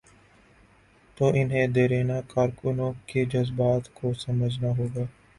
تو انہیں دیرینہ کارکنوں کے جذبات کو سمجھنا ہو گا۔